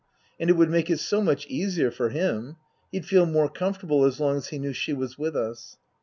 And it would make it so much easier for him. He'd feel more comfortable as long as he knew she was with us.